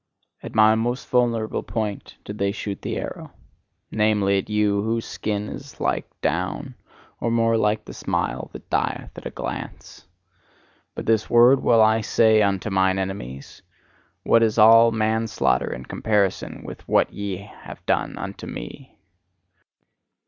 At my most vulnerable point did they shoot the arrow namely, at you, whose skin is like down or more like the smile that dieth at a glance! But this word will I say unto mine enemies: What is all manslaughter in comparison with what ye have done unto me!